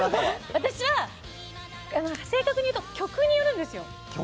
私は正確にいうと曲によるんですよ。